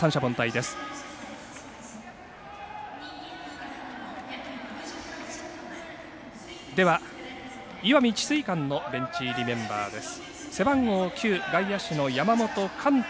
では、石見智翠館のベンチ入りメンバーです。